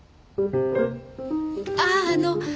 あああの。